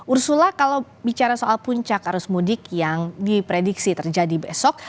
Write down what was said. ursula kalau bicara soal puncak arus mudik yang diprediksi terjadi besok